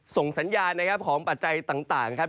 ส่งสัญญาณของปัจจัยต่างครับ